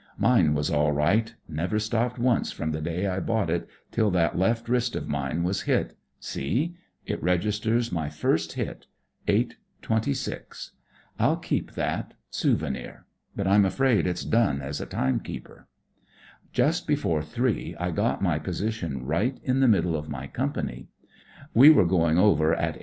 Mine was all right ; never stopped once WHAT IT'S LIKE IN THE PUSH 9 fipom the day I bought it till that left wrist of mine was hit. See I It registers my first hit— 8.26. I'll keep that ; souvenir ; but I'm afraid it's done as a timekeeper. "Just before three I got my position right in the middle of my company We were going over at 8.